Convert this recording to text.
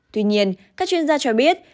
tuy nhiên các chuyên gia cho biết